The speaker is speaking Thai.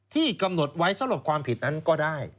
ที่กำหนดไว้สำหรับความผิดนั้นก็ได้